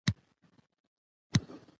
وضعي نظام هغه دئ، چي د بشر په لاس جوړ سوی دئ.